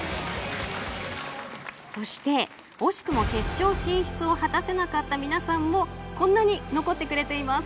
そして惜しくも決勝進出を果たせなかった皆さんもこんなに残ってくれています。